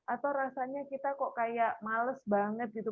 atau rasanya kita kok kayak males banget gitu